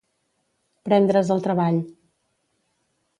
Prendre's el treball.